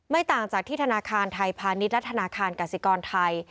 ต่างจากที่ธนาคารไทยพาณิชย์และธนาคารกสิกรไทย